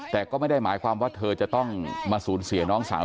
แต่ก็ไม่ได้หมายความว่าเธอจะต้องมาสูญเสียน้องสาว